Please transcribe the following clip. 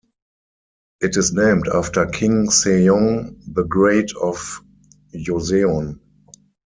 It is named after King Sejong the Great of Joseon.